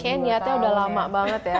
kayaknya niatnya udah lama banget ya